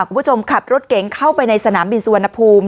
คุณผู้ชมขับรถเก๋งเข้าไปในสนามบินสุวรรณภูมิ